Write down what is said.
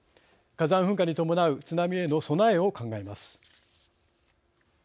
火山噴火に伴う津波への備えを考えます。